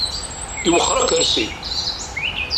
Iwexxer akersi.